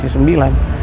dan sangat baik